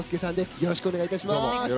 よろしくお願いします。